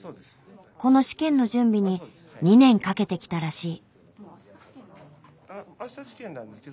この試験の準備に２年かけてきたらしい。